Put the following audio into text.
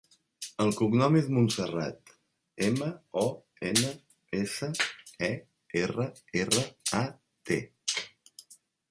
El cognom és Monserrat: ema, o, ena, essa, e, erra, erra, a, te.